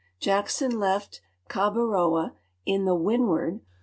Jackson left Khabarowa in the ]Vinilward